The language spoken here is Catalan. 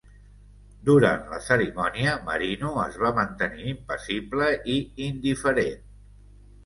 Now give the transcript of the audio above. Durant la cerimònia, Merino es va mantenir impassible i indiferent.